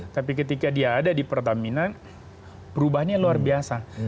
tapi ketika dia ada di pertamina perubahannya luar biasa